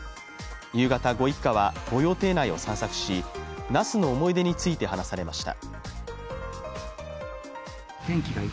夕方、ご一家は御用邸内を散策し、那須の思い出について話されました。